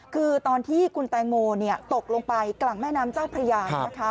คือตอนที่คุณแตงโมตกลงไปกลางแม่น้ำเจ้าพระยานะคะ